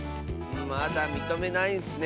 まだみとめないんッスね。